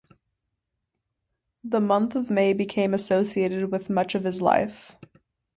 The month of May became associated with much of his life.